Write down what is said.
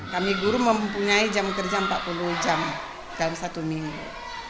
kami guru mempunyai jam kerja empat puluh jam dalam satu minggu